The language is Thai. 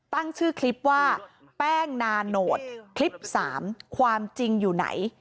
ตั้งชื่อคลิปว่าแป้งนาโนตคลิป๓ความจริงอยู่ไหน